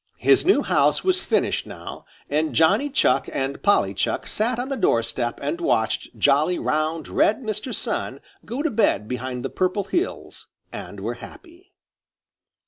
His new house was finished now, and Johnny Chuck and Polly Chuck sat on the door step and watched jolly, round, red Mr. Sun go to bed behind the Purple Hills and were happy.